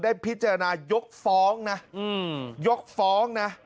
ได้พิจารณายกฟ้องนะ